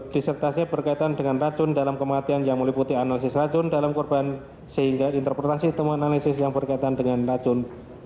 disertasi berkaitan dengan racun dalam kematian yang meliputi analisis racun dalam korban sehingga interpretasi temuan analisis yang berkaitan dengan racun